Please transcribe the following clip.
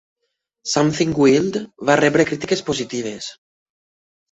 "Something Wild" va rebre crítiques positives.